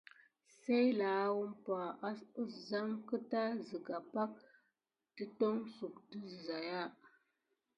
Sey lahaa umpa, asɓet zamə kəta zega pake dətonsuk də zəzaya.